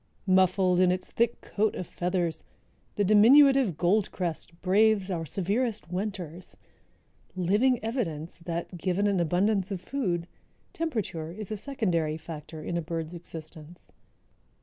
"Muffled in its thick coat of feathers, the diminutive Goldcrest braves our severest winters, living evidence that, given an abundance of food, temperature is a secondary factor in a bird's existence."